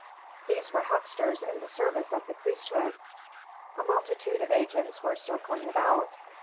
These were hucksters in the service of the priesthood. A multitude of agents were circling about.